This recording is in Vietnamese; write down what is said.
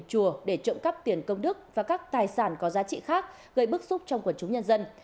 chùa để trộm cắp tiền công đức và các tài sản có giá trị khác gây bức xúc trong quần chúng nhân dân